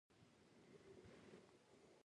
هغه اپ مې بېرته نصب کړ.